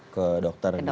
ke dokter gitu ya